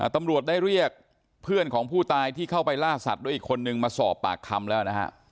ตำรวจได้เรียกเพื่อนของผู้ตายที่เข้าไปล่าสัตว์ด้วยอีกคนนึงมาสอบปากคำแล้วนะฮะ